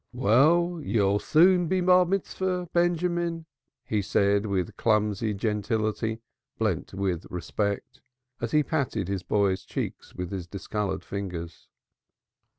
"Well, you'll soon be Bar mitzvah, Benjamin." he said, with clumsy geniality blent with respect, as he patted his boy's cheeks with his discolored fingers.